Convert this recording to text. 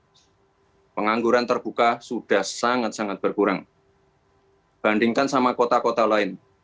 karena pengangguran terbuka sudah sangat sangat berkurang bandingkan sama kota kota lain